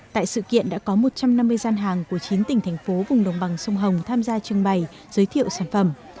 tại sự kiện đã có một trăm năm mươi gian hàng của chín tỉnh thành phố vùng đồng bằng sông hồng tham gia trưng bày giới thiệu sản phẩm